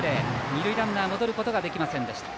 二塁ランナー戻ることができませんでした。